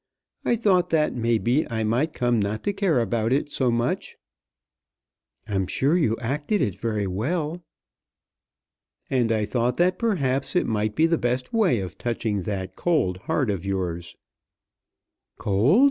I thought that, maybe, I might come not to care about it so much." "I'm sure you acted it very well." "And I thought that perhaps it might be the best way of touching that cold heart of yours." "Cold!